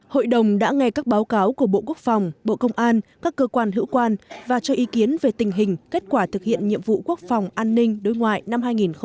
hội đồng đã nghe các báo cáo của bộ quốc phòng bộ công an các cơ quan hữu quan và cho ý kiến về tình hình kết quả thực hiện nhiệm vụ quốc phòng an ninh đối ngoại năm hai nghìn hai mươi ba